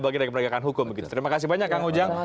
bagian dari pengembangan hukum terima kasih banyak kang ujang